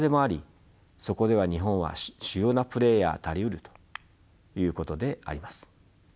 そこでは日本は主要なプレーヤーたりうるということであります。